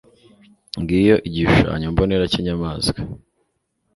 ngiyo igishushanyo mbonera cy'inyamanswa